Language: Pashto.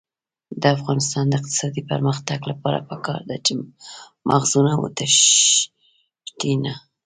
د افغانستان د اقتصادي پرمختګ لپاره پکار ده چې مغزونه وتښتي نه.